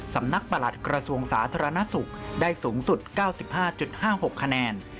ประหลัดกระทรวงสาธารณสุขได้สูงสุด๙๕๕๖คะแนน